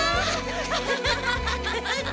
アハハハハ！